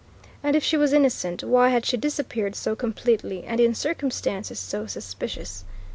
And if she was innocent, why had she disappeared so completely and in circumstances so suspicious?